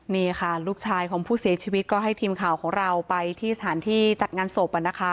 นี่ค่ะลูกชายของผู้เสียชีวิตก็ให้ทีมข่าวของเราไปที่สถานที่จัดงานศพ